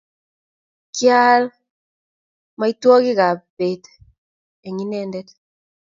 kial maitwogikab beet eng inendet